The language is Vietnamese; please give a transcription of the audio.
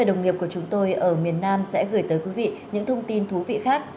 kể tới quý vị những thông tin thú vị khác